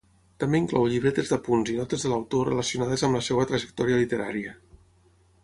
També inclou llibretes d'apunts i notes de l'autor relacionades amb la seva trajectòria literària.